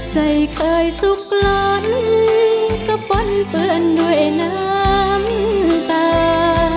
เคยสุขล้นก็ป้นเปื้อนด้วยน้ำตา